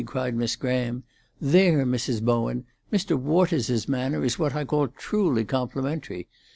cried Miss Graham. "There, Mrs. Bowen! Mr. Waters's manner is what I call truly complimentary.